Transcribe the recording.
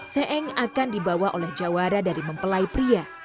se eng akan dibawa oleh jawara dari mempelai pria